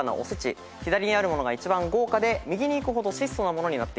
左にあるものが一番豪華で右にいくほど質素なものになっています。